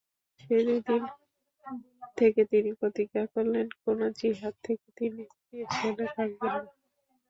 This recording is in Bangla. সেদিন থেকে তিনি প্রতিজ্ঞা করলেন, কোন জিহাদ থেকে তিনি পিছনে থাকবেন না।